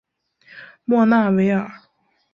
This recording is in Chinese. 莫纳维尔。